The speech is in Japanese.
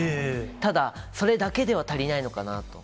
ただ、それだけでは足りないのかなと。